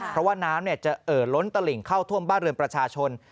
เพราะว่าน้ำจะเอ่อล้นตลิ่งเข้าท่วมบ้านเรือนประชาชน